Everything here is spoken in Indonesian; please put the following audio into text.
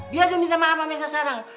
biar dia minta maaf sama mesa sarang